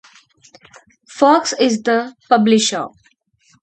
Fox is the publisher.